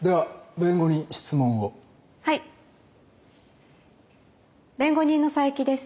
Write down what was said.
弁護人の佐伯です。